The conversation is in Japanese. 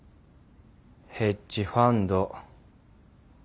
ヘッジファンド。